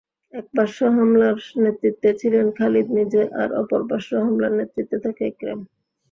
এক পার্শ্ব হামলার নেতৃত্বে ছিলেন খালিদ নিজে আর অপর পার্শ্ব হামলার নেতৃত্বে থাকে ইকরামা।